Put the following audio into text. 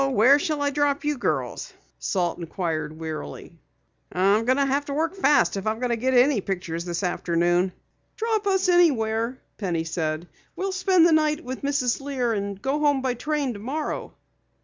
"Where shall I drop you girls?" Salt inquired wearily. "I'll have to work fast if I get any pictures this afternoon." "Drop us anywhere," Penny said. "We'll spend the night with Mrs. Lear and go home by train tomorrow."